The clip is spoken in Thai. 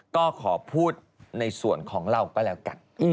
ก็ขอพูดในส่วนของเราก็แล้วกัน